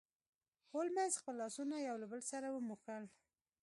هولمز خپل لاسونه یو له بل سره وموښل.